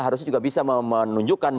harusnya juga bisa menunjukkan